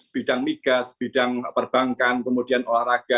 bidang migas bidang perbankan kemudian olahraga